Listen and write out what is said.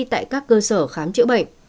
tại các cơ sở khám chữa bệnh